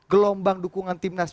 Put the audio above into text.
gelombang dukungan timnas